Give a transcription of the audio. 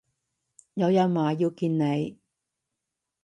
有人話要見你